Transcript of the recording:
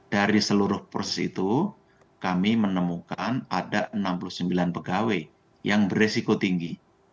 dari seluruh proses itu kami menemukan ada enam puluh sembilan pegawai yang beresiko tinggi